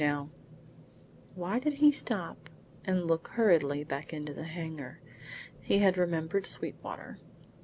Now " Why did he stop and look hurriedly back into the hangar? He had remembered Sweetwater.